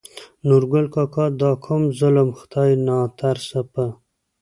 نورګل کاکا : دا کوم ظلم خداى ناترسه په